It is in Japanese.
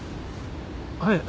はい。